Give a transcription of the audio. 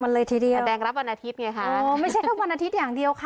มันเลยทีเดียวแดงรับวันอาทิตยไงคะอ๋อไม่ใช่แค่วันอาทิตย์อย่างเดียวค่ะ